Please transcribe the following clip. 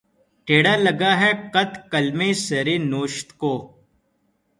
ٹیڑھا لگا ہے قط‘ قلمِ سر نوشت کو